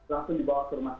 langsung dibawa ke rumah sakit